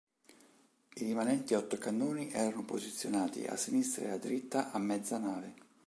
I rimanenti otto cannoni erano posizionati a sinistra e a dritta a mezza nave.